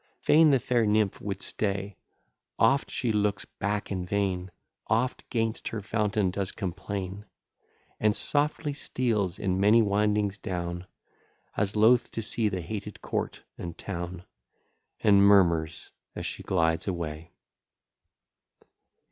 Fain the fair nymph would stay, Oft she looks back in vain, Oft 'gainst her fountain does complain, And softly steals in many windings down, As loth to see the hated court and town; And murmurs as she glides away.